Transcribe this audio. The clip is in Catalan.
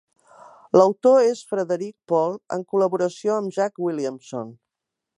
L'autor és Frederik Pohl, en col·laboració amb Jack Williamson.